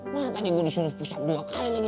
mana tadi gue disuruh pusat dua kali lagi